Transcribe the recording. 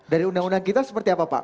dari undang undang kita seperti apa pak